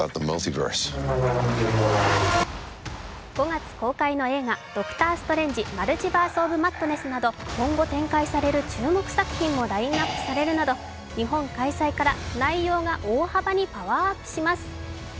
５月公開の映画「ドクター・ストレンジ／マルチバース・オブ・マッドネス」など今後展開される注目作品もラインナップされるなど日本開催から内容が大幅にパワーアップします。